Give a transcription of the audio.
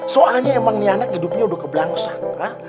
soalnya emang nih anak hidupnya udah kebelangsangka